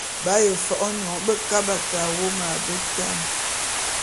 B’aye fe nyoň bekabat awom a betan.